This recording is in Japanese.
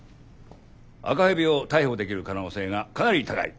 赤蛇を逮捕できる可能性がかなり高い。